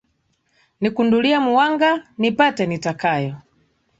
Nikundulia muwanga, nipate niyatakayo